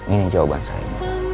ini jawaban saya